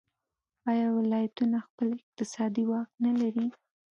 آیا ولایتونه خپل اقتصادي واک نلري؟